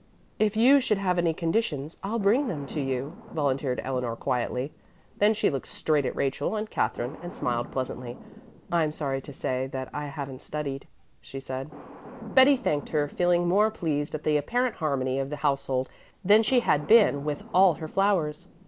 "If you should have any conditions, I'll bring them to you," volunteered Eleanor quietly. Then she looked straight at Rachel and Katherine and smiled pleasantly. "I'm sorry to say that I haven't studied," she said. Betty thanked her, feeling more pleased at the apparent harmony of the household than she had been with all her flowers.